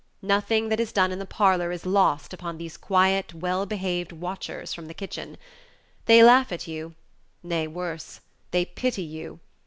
Nothing that is done in the parlor is lost upon these quiet, well behaved watchers from the kitchen. They laugh at you; nay, worse, they pity you.